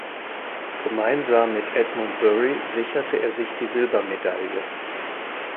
Gemeinsam mit Edmund Bury sicherte er sich die Silbermedaille.